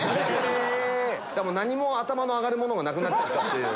何も頭の上がるものがなくなっちゃった。